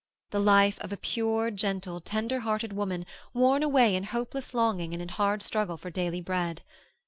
The life of a pure, gentle, tender hearted woman worn away in hopeless longing and in hard struggle for daily bread.